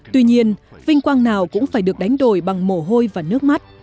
tuy nhiên vinh quang nào cũng phải được đánh đổi bằng mồ hôi và nước mắt